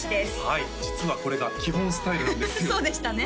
はい実はこれが基本スタイルなんですよ